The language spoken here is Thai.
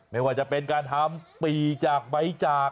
ไม่ว่าจะเป็นการทำปีจากใบจาก